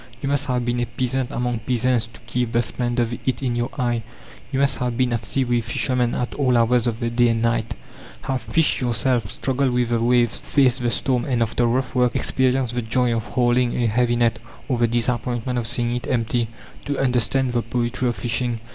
You must have been a peasant among peasants to keep the splendour of it in your eye. You must have been at sea with fishermen at all hours of the day and night, have fished yourself, struggled with the waves, faced the storm, and after rough work experienced the joy of hauling a heavy net, or the disappointment of seeing it empty, to understand the poetry of fishing.